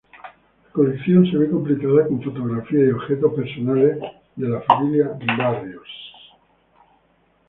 La colección se ve completada con fotografías y objetos personales de la familia Barrios.